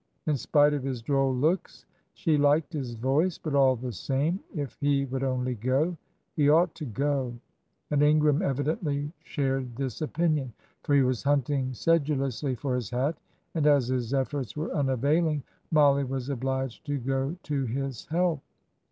In spite of his droll looks, she liked his voice; but, all the same, if he would only go! He ought to go and Ingram evidently shared this opinion, for he was hunting sedulously for his hat; and as his efforts were unavailing, Mollie was obliged to go to his help.